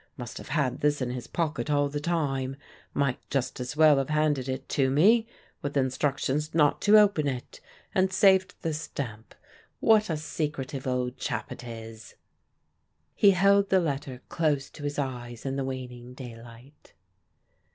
Must have had this in his pocket all the time; might just as well have handed it to me with instructions not to open it and saved the stamp. What a secretive old chap it is!" He held the letter close to his eyes in the waning daylight.